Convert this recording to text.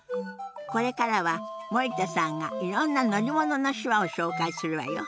これからは森田さんがいろんな乗り物の手話を紹介するわよ。